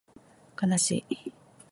かなしい